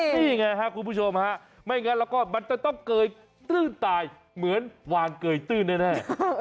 นี่ไงครับคุณผู้ชมฮะไม่งั้นแล้วก็มันจะต้องเกยตื้นตายเหมือนวางเกยตื้นแน่